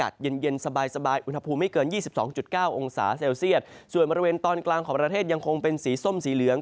ส่วนบริเวณตอนกลางของประเทศยังคงเป็นสีส้มสีเหลือง